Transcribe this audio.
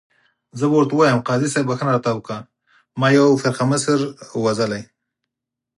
زه به ورته ووایم، قاضي صاحب بخښنه راته وکړه، ما یو سر پړکمشر وژلی.